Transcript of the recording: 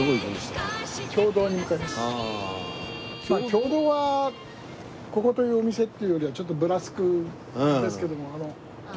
経堂はここというお店っていうよりはちょっとぶらつくんですけども。